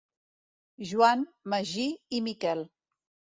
Joan, Magí i Miquel.